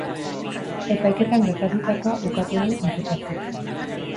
Epaiketan gertatutakoa ukatu du inputatuak.